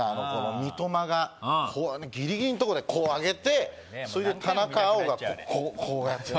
三笘がギリギリのとこでこう上げて何回も見たくなっちゃうそれで田中碧がこうやってね